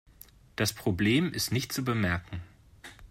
Das Problem ist nicht zu bemerken.